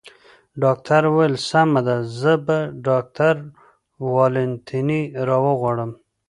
ډاکټر وویل: سمه ده، زه به ډاکټر والنتیني را وغواړم.